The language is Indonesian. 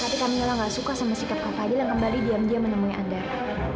tapi kak mila gak suka sama sikap kak fadil yang kembali diam diam menemui andara